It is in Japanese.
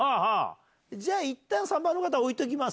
いったん３番の方置いときます。